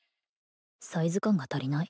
サイズ感が足りない